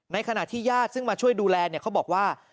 ขณะที่ญาติซึ่งมาช่วยดูแลเขาบอกว่า